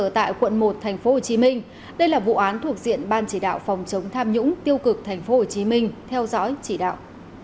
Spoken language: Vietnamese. theo dõi chỉ đạo